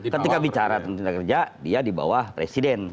ketika bicara tentang kerja dia di bawah presiden